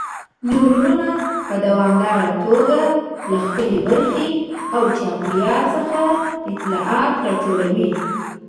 نیورونونه په دوامداره توګه له داخلي برخې او چاپیریال څخه اطلاعات راټولوي.